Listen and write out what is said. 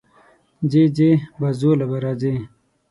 ځې ځې، بازو له به راځې